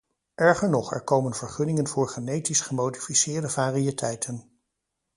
Erger nog, er komen vergunningen voor genetisch gemodificeerde variëteiten.